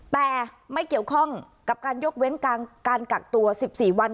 แต่ไม่เกี่ยวข้องกับการยกเว้นการกักตัว๑๔วัน